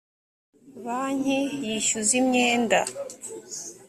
banki yishyuza imyenda